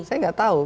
saya gak tahu